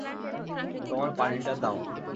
তোমার পানিটা দাও।